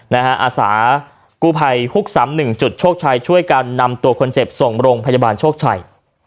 อาสากู้ภัยฮุก๓๑จุดโชคชัยช่วยกันนำตัวคนเจ็บส่งโรงพยาบาลโชคชัย